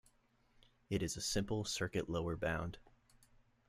It is a simple circuit lower bound.